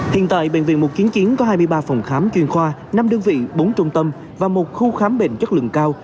hiện tại bệnh viện một trăm chín có hai mươi ba phòng khám chuyên khoa năm đơn vị bốn trung tâm và một khu khám bệnh chất lượng cao